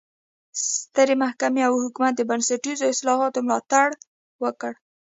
سترې محکمې او حکومت د بنسټیزو اصلاحاتو ملاتړ وکړ.